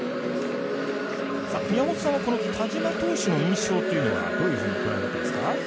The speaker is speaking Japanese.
宮本さんは田嶋投手の印象というのはどういうふうにご覧になってますか？